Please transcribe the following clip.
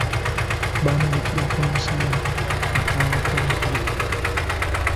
Bamubikira kwa musana akaaba kwa nkuba.